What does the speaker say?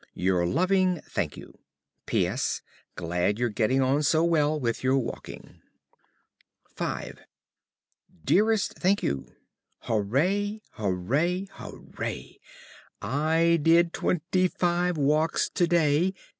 Your loving, ~Thankyou.~ P. S. Glad you're getting on so well with your walking. V Dearest Thankyou, Hooray, hooray, hooray I did twenty five walks to day!